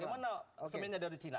bagaimana semennya dari cina